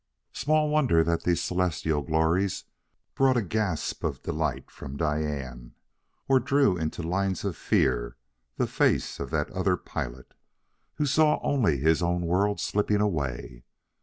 Small wonder that these celestial glories brought a gasp of delight from Diane, or drew into lines of fear the face of that other pilot who saw only his own world slipping away.